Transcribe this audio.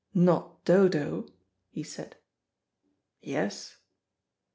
"Not Dodo?" he said. "Yes."